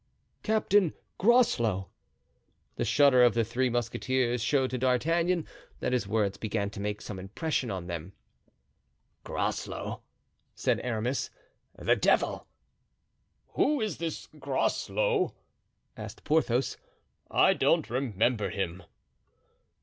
"Captain Groslow." The shudder of the three musketeers showed to D'Artagnan that his words began to make some impression on them. "Groslow!" said Aramis; "the devil! "Who is this Groslow?" asked Porthos. "I don't remember him."